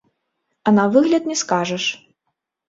А на выгляд не скажаш.